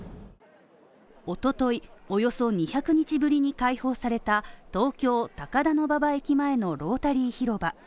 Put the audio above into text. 一昨日、およそ２００日ぶりに開放された東京高田馬場駅前のロータリー広場。